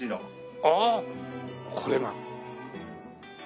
ああこれが。